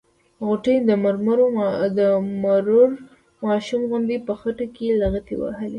غوټۍ د مرور ماشوم غوندې په خټو کې لغتې وهلې.